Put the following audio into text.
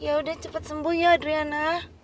ya udah cepet sembuh ya adriana